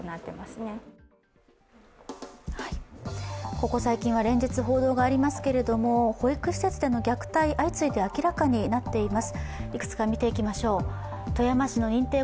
ここ最近は連日報道がありますけれども、保育施設での虐待相次いで明らかになっています。